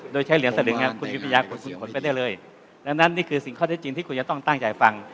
โดยใช้เหรียญสลึงครับคุณอภิญผลไปได้เลยดังนั้นนี่คือสิ่งข้อเท็จจริงที่คุณจะต้องตั้งใจฟัง